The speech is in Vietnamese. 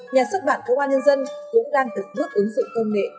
nhà xuất bản công an nhân dân cũng đang từng bước ứng dụng công nghệ